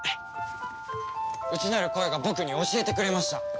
内なる声が僕に教えてくれました。